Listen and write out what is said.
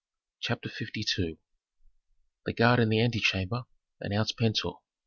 CHAPTER LII The guard in the antechamber announced Pentuer.